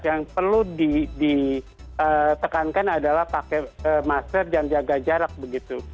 yang perlu ditekankan adalah pakai masker dan jaga jarak begitu